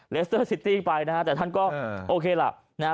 เลสเตอร์ซิตี้ไปนะฮะแต่ท่านก็โอเคล่ะนะฮะ